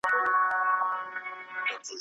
هغه لاره به تباه کړو لاس په لاس به مو تل یون وي